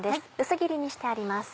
薄切りにしてあります。